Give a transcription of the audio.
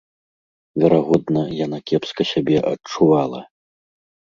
Верагодна, яна кепска сябе адчувала.